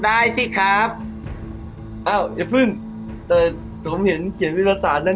ได้สิครับอ้าวอย่าเพิ่งแต่ผมเห็นเขียนวิทยาศาสตร์นั้น